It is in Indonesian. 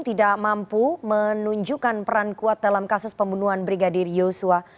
tidak mampu menunjukkan peran kuat dalam kasus pembunuhan brigadir yosua